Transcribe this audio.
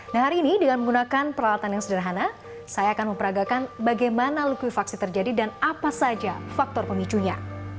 nah hari ini dengan menggunakan peralatan yang sederhana saya akan memperagakan bagaimana likuifaksi terjadi dan apa saja faktor pemicunya